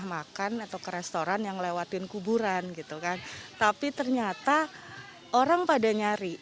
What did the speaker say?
kita pernah makan atau ke restoran yang melewati kuburan tapi ternyata orang pada nyari